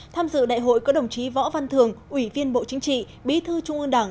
tham dự đại hội có đồng chí võ văn thường ủy viên bộ chính trị bí thư trung ương đảng